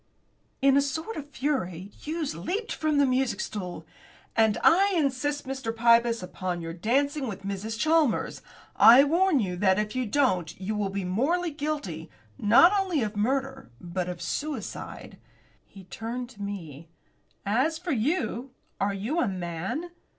In a sort of fury Hughes leaped from the music stool. "And I insist, Mr. Pybus, upon your dancing with Mrs. Chalmers. I warn you that if you don't you will be morally guilty, not only of murder, but of suicide." He turned to me. "As for you are you a man?